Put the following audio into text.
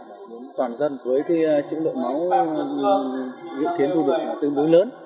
mà mong muốn toàn dân với chữ đội máu hiến máu tương đối lớn